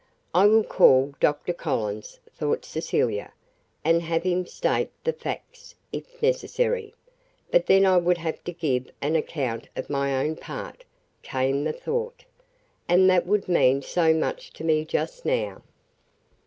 "I will call Dr. Collins," thought Cecilia, "and have him state the facts, if necessary. But then I would have to give an account of my own part," came the thought, "and that would mean so much to me just now."